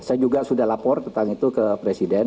saya juga sudah lapor tentang itu ke presiden